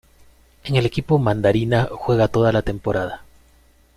En el equipo mandarina juega toda la temporada.